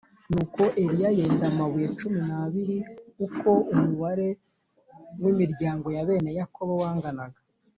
Nuko Eliya yenda amabuye cumi n’abiri uko umubare w’imiryango ya bene Yakobo wanganaga